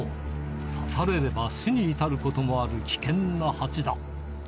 刺されれば死に至ることもある危険なハチだ。